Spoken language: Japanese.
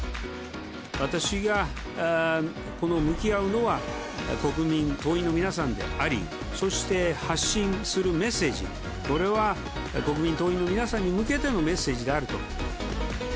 私が向き合うのは、国民、党員の皆さんであり、そして発信するメッセージ、これは国民と党員の皆さんに向けてのメッセージであると。